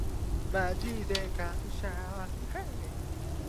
The few statements by some historians are also controversial.